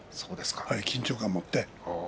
緊張感を持って。